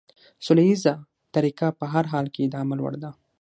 سوله ييزه طريقه په هر حال کې د عمل وړ ده.